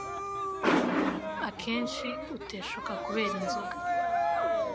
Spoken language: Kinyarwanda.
akenshi uteshuka kubera inzoga